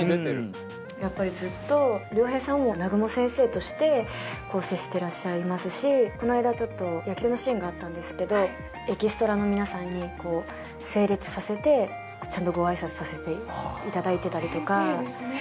やっぱりずっと亮平さんを南雲先生として接してらっしゃいますしこの間ちょっと野球のシーンがあったんですけどエキストラの皆さんにこう整列させてちゃんとご挨拶させていただいてたりとか先生ですね